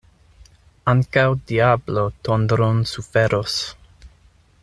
Ankaŭ diablo tondron suferos.